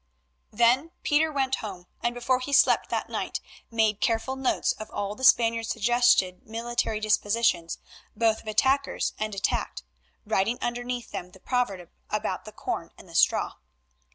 Then Pieter went home, and before he slept that night made careful notes of all the Spaniard's suggested military dispositions, both of attackers and attacked, writing underneath them the proverb about the corn and the straw.